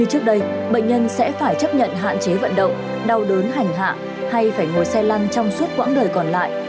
hạn chế vận động đau đớn hành hạ hay phải ngồi xe lăn trong suốt quãng đời còn lại